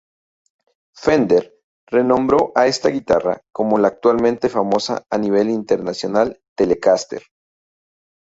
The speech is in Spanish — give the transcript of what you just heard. Fender renombró a esta guitarra como la actualmente famosa a nivel internacional Telecaster.